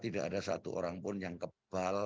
tidak ada satu orang pun yang kebal